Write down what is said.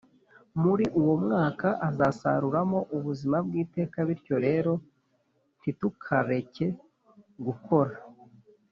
muri uwo mwuka azasaruramo ubuzima bw iteka Bityo rero ntitukareke gukora